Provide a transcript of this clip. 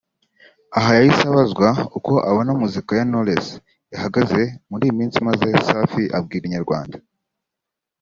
Aha yahise abazwa uko abona muzika ya Knowless ihagaze muri iyi minsi maze Safi abwira Inyarwanda